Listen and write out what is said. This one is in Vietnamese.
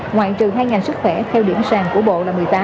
ngoại trừ hai ngành sức khỏe theo điểm sàn của bộ là một mươi tám